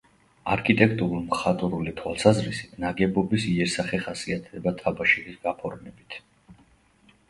არქიტექტურულ-მხატვრული თვალსაზრისით ნაგებობის იერსახე ხასიათდება თაბაშირის გაფორმებით.